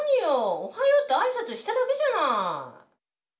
「おはよう」って挨拶しただけじゃない。